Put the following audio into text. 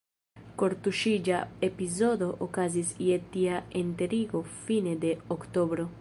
Kortuŝiga epizodo okazis je tia enterigo fine de Oktobro.